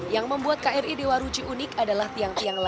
yang membuat kri dewa ruci unik adalah tiang tiang lainnya